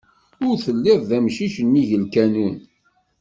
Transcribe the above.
Ur telliḍ d amcic n nnig lkanun.